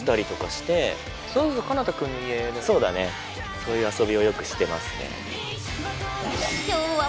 そういう遊びをよくしてますね。